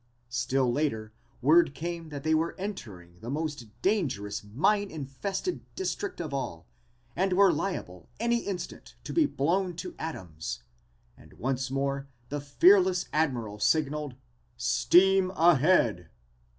Still later word came that they were entering the most dangerous mine infested district of all and were liable any instant to be blown to atoms, and once more the fearless Admiral signaled "Steam ahead."